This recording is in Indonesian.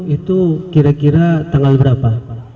itu kira kira tanggal berapa